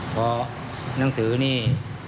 เพราะหนังสือนี่